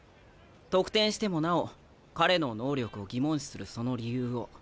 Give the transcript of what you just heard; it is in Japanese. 得点してもなお彼の能力を疑問視するその理由を。